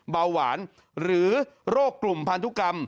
เบาหวานหรือโรคกลุ่มพันธุกรรม